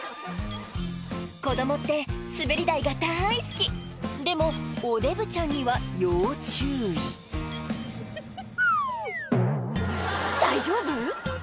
子供って滑り台がだい好きでもおデブちゃんには要注意大丈夫？